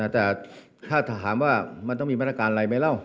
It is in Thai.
แต่ถ้าถามว่ามันต้องมีมาตรการอะไรไหมเล่า